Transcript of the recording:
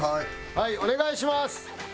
はいお願いします！